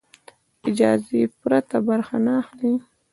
اجازې پرته برخه نه اخلي.